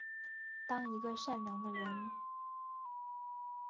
当一个善良的人